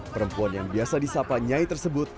perempuan yang biasa disapa nyai tersebut